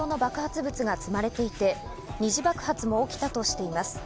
車両には大量の爆発物が積まれていて二次爆発も起きたとしています。